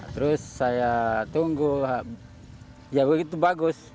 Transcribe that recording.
terus saya tunggu ya begitu bagus